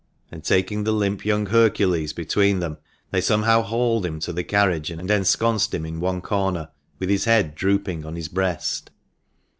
And taking the limp young Hercules between them, they somehow hauled him to the carriage, and ensconced him in one corner, with his head drooping on his breast.